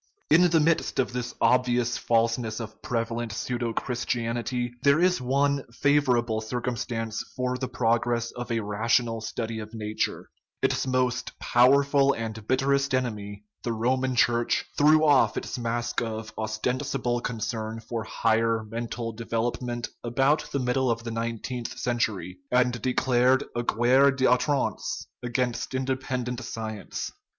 In the midst of this obvious falseness of prevalent pseudo Christianity there is one favorable circumstance for the progress of a rational study of nature : its most powerful and bitterest enemy, the Roman Church, threw off its mask of ostensible concern for higher men tal development about the middle of the nineteenth century, and declared a guerre a I'outrance against in dependent science.